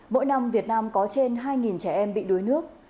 mỗi năm việt nam có trên hai trẻ em bị đuối nước